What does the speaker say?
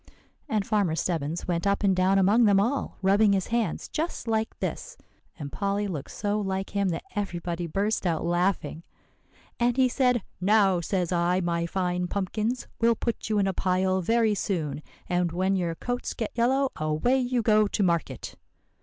"And Farmer Stebbins went up and down among them all, rubbing his hands just like this;" and Polly looked so like him that everybody burst out laughing; "and he said, 'Now, says I, my fine pumpkins, we'll put you in a pile very soon, and when your coats get yellow, away you go to market.